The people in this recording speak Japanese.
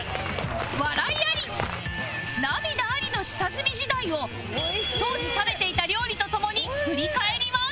笑いあり涙ありの下積み時代を当時食べていた料理とともに振り返ります